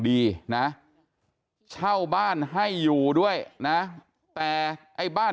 แข็งแข็งแข็งแข็งแข็งแข็ง